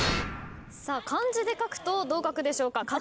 漢字で書くとどう書くでしょうか？